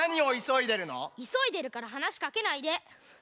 いそいでるからはなしかけないで！